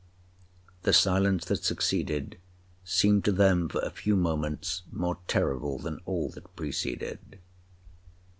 The silence that succeeded seemed to them for a few moments more terrible than all that preceded.